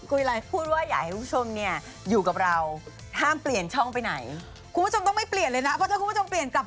โอเคน่ะค่ะ